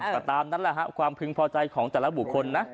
ก็ตามนั้นแหละฮะความพึงพอใจของแต่ละบุคคลนะ